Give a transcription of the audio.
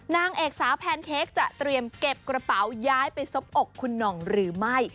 นางเอกสาวแพนเค้กจะเตรียมเก็บกระเป๋าย้ายไปซบอกคุณหน่องหรือไม่